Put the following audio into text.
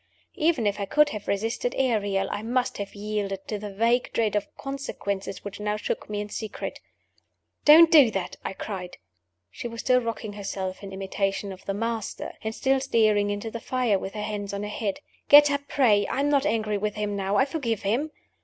Even if I could have resisted Ariel, I must have yielded to the vague dread of consequences which now shook me in secret. "Don't do that!" I cried. She was still rocking herself in imitation of the "Master," and still staring into the fire with her hands to her head. "Get up, pray! I am not angry with him now. I forgive him."